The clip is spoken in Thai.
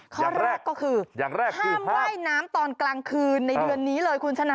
ข้อแรกก็คืออย่างแรกห้ามว่ายน้ำตอนกลางคืนในเดือนนี้เลยคุณชนะ